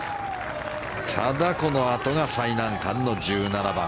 ただ、このあとが最難関の１７番。